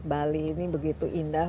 bali ini begitu indah